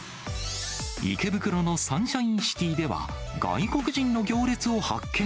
池袋のサンシャインシティでは、外国人の行列を発見。